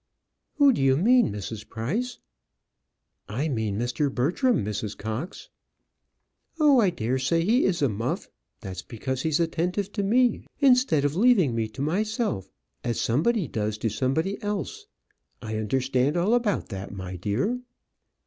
"Who do you mean, Mrs. Price?" "I mean Mr. Bertram, Mrs. Cox." "Oh, I dare say he is a muff; that's because he's attentive to me instead of leaving me to myself, as somebody does to somebody else. I understand all about that, my dear."